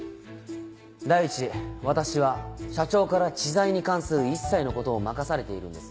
第一私は社長から知財に関する一切のことを任されているんです。